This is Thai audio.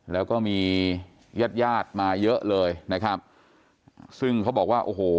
แล้วก็มีญาติญาติมาเยอะเลยนะครับซึ่งเขาบอกว่าโอ้โห